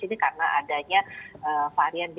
ini karena adanya varian ba dua